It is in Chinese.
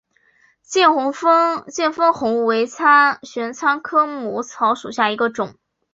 见风红为玄参科母草属下的一个种。